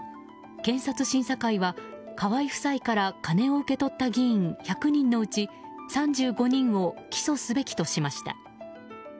検察審査会は河井夫妻から金を受けとった議員１００人のうち３５人を起訴すべきとしました。